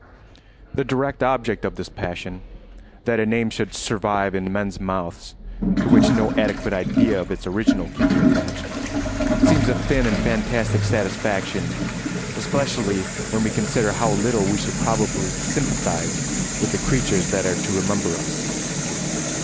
The direct object of this passion—that a name should survive in men's mouths to which no adequate idea of its original can be attached—seems a thin and fantastic satisfaction, especially when we consider how little we should probably sympathise with the creatures that are to remember us.